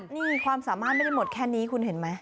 นี่ความสามารถไม่ได้หมดแค่นี้คุณเห็นไหม